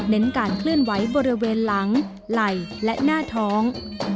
เน้นการเคลื่อนไหวบริเวณหลังไหล่และหน้าท้อง